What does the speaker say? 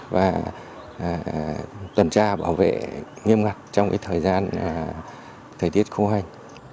và tuần tra bảo vệ nghiêm ngặt trong thời tiết khô hành